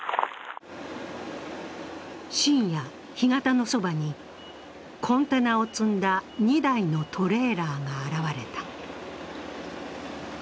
深夜、干潟のそばにコンテナを積んだ２台のトレーラーが現れた。